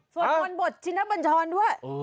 สวดมนต์บทที่นักบัญชรด้วย